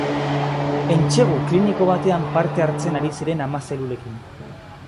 Entsegu kliniko batean parte hartzen ari ziren ama zelulekin.